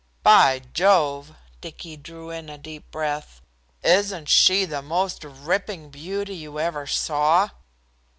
"By jove!" Dicky drew in a deep breath. "Isn't she the most ripping beauty you ever saw?"